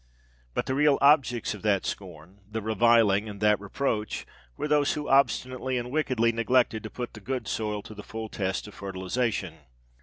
But the real objects of that scorn—that reviling—and that reproach, were those who obstinately and wickedly neglected to put the good soil to the full test of fertilization.